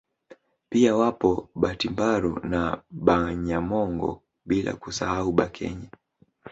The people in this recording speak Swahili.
Pia wapo Batimbaru na Banyamongo bila kusahau Bakenye